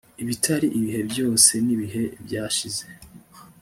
Ibitari ibihe byose nibihe byashize